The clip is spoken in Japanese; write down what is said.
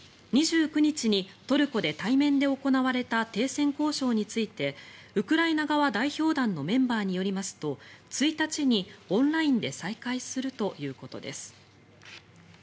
２９日にトルコで対面で行われた停戦交渉についてウクライナ側代表団のメンバーによりますと１日にオンラインで再開するということです。